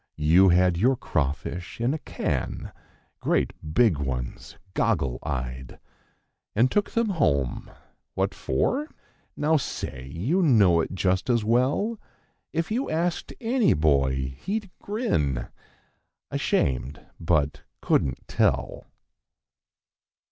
You had your crawfish in a can—great big ones, goggle eyed; And took them home—what for? Now say; you know it just as well! If you asked any boy, he'd grin, ashamed, but couldn't tell.